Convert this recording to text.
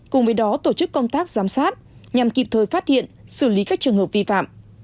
cùng với đó tổ chức công tác giám sát nhằm kịp thời phát hiện xử lý các trường hợp vi phạm